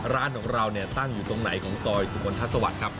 ร้านของเราเนี่ยตั้งอยู่ตรงไหนของซอยสุมนทัศวรรค์ครับ